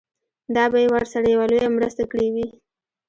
دا به يې ورسره يوه لويه مرسته کړې وي.